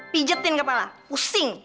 pijetin kepala pusing